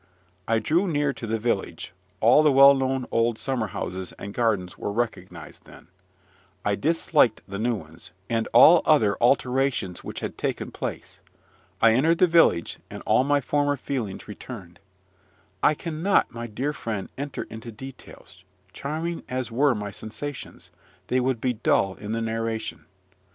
I drew near to the village: all the well known old summerhouses and gardens were recognised again; I disliked the new ones, and all other alterations which had taken place. I entered the village, and all my former feelings returned. I cannot, my dear friend, enter into details, charming as were my sensations: they would be dull in the narration.